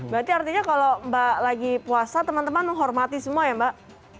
berarti artinya kalau mbak lagi puasa teman teman menghormati semua ya mbak